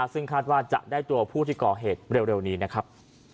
ซึ่งคาดว่าจะได้ตัวผู้ที่ก่อเหตุเร็วนี้นะครับ